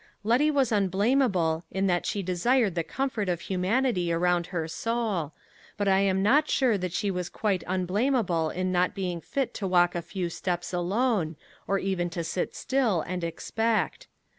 Letty was unblamable that she desired the comfort of humanity around her soul, but I am not sure that she was quite unblamable in not being fit to walk a few steps alone, or even to sit still and expect.